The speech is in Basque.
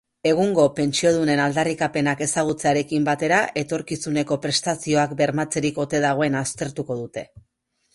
Egungo pentsiodunen aldarrikapenak ezagutzearekin batera, etorkizuneko prestazioak bermatzerik ote dagoen aztertuko dute.